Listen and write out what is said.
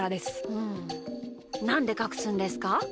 うんなんでかくすんですか？